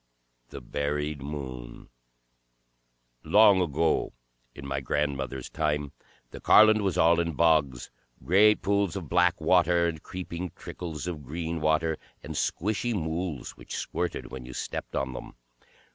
The Buried Moon Long ago, in my grandmother's time, the Carland was all in bogs, great pools of black water, and creeping trickles of green water, and squishy mools which squirted when you stepped on them.